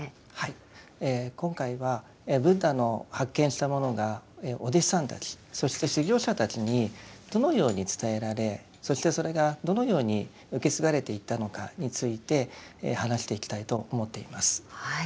今回はブッダの発見したものがお弟子さんたちそして修行者たちにどのように伝えられそしてそれがどのように受け継がれていったのかについて話していきたいと思っています。